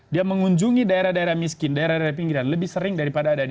dia mengunjungi daerah daerah miskin daerah daerah pinggiran lebih sering daripada ada di